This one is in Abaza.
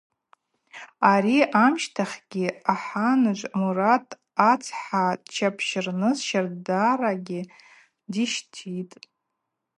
Ари амщтахьгьи аханыжв Мурат ацхӏа дчӏапщарныс щардарагьи дищтитӏ.